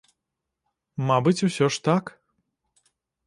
Мабыць, усё ж, так.